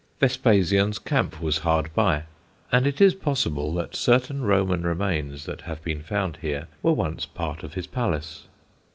Vespasian's camp was hard by, and it is possible that certain Roman remains that have been found here were once part of his palace.